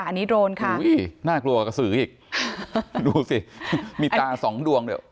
อันนี้โดรนค่ะโอ้ยน่ากลัวกับสื่ออีกดูสิมีตาสองดวงเดี๋ยว